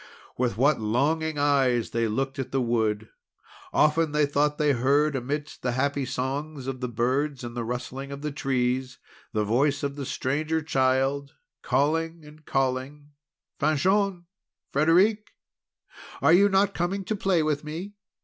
With what longing eyes they looked at the wood! Often they thought they heard, amidst the happy songs of the birds and the rustling of the trees, the voice of the Stranger Child, calling, and calling: "Fanchon! Frederic! Are you not coming to play with me?